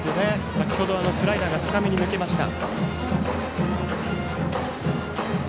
先ほどはスライダーが高めに抜けました。